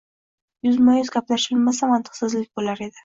Yuzma-yuz gaplashilmasa, mantiqsizlik boʻlar edi.